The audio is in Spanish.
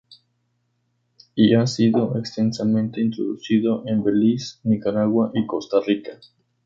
Y ha sido extensamente introducido en Belice, Nicaragua y Costa Rica.